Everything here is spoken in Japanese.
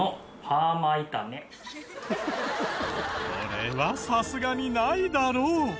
これはさすがにないだろう。